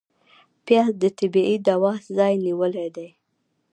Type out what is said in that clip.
پیاز د طبعي دوا ځای نیولی دی